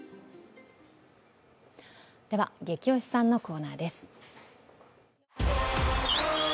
ゲキ推しさんのコーナーです。